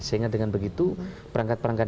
sehingga dengan begitu perangkat perangkat